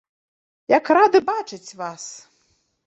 Як рады бачыць вас!